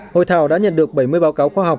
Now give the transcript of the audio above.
hội thảo đã nhận được bảy mươi báo cáo khoa học